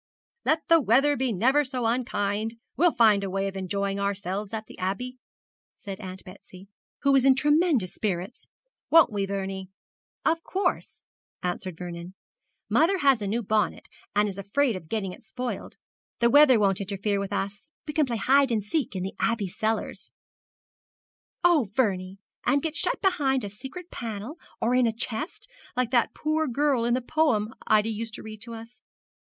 'Let the weather be never so unkind, we'll find a way of enjoying ourselves at the Abbey,' said Aunt Betsy, who was in tremendous spirits, 'won't we, Vernie?' 'Of course,' answered Vernon. 'Mother has a new bonnet, and is afraid of getting it spoiled. The weather won't interfere with us. We can play hide and seek in the Abbey cellars.' 'Oh, Vernie! and get shut behind a secret panel or in a chest, like that poor girl in the poem Ida used to read to us.'